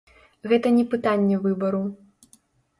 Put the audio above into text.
Гэта не пытанне выбару.